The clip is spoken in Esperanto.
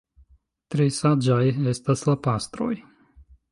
Tre saĝaj estas la pastroj!